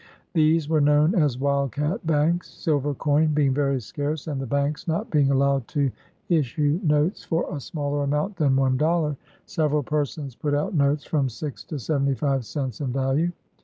These were known as ' wild cat banks.' Silver coin being very scarce, and the banks not being allowed to issue notes for a smaller amount than one dollar, seve 48 BIOGRAPHY OF ral persons put out notes from six to seventy five cents in value.